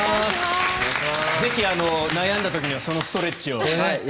ぜひ、悩んだ時にはそのストレッチを。